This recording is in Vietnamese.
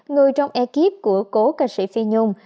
người trong ekip của cổ ca sĩ phi nhung